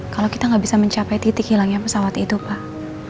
kalau kita nggak bisa mencapai titik hilangnya pesawat itu pak